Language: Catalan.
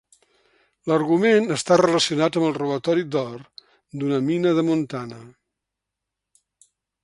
L'argument està relacionat amb el robatori d'or d'una mina de Montana.